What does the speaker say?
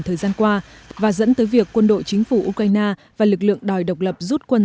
thời gian qua và dẫn tới việc quân đội chính phủ ukraine và lực lượng đòi độc lập rút quân